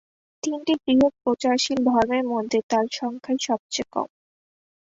তিনটি বৃহৎ প্রচারশীল ধর্মের মধ্যে তাদের সংখ্যাই সবচেয়ে কম।